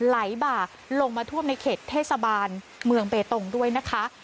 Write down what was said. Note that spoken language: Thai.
ไหลบ่าลงมาท่วมในเขตเทศบาลเมืองเบตงด้วยนะคะ